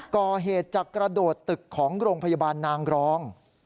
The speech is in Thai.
ก่อเหตุจากกระโดดตึกของโรงพยาบาลนางรอง